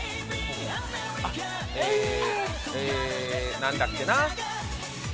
え何だっけな？